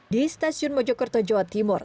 di stasiun mojokerto jawa timur